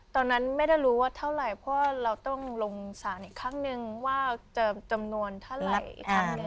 ตอนนั้นไม่ได้รู้ว่าเท่าไหร่เพราะว่าเราต้องลงสารอีกครั้งนึงว่าจะจำนวนเท่าไหร่อีกครั้งหนึ่ง